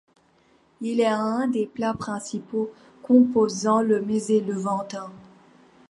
Il est un des plats principaux composant le mezzé levantin.